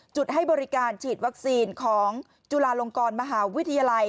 ให้บริการฉีดวัคซีนของจุฬาลงกรมหาวิทยาลัย